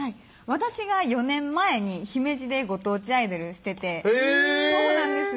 私が４年前に姫路でご当地アイドルしててへぇそうなんです